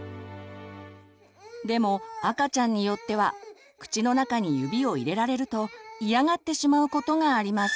でも赤ちゃんによっては口の中に指を入れられると嫌がってしまうことがあります。